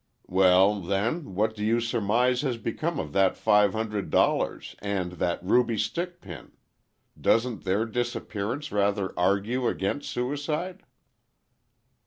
"Well, then, what do you surmise has become of that five hundred dollars and that ruby stickpin? Doesn't their disappearance rather argue against suicide?"